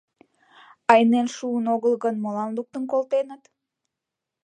— Айнен шуын огыл гын, молан луктын колтеныт?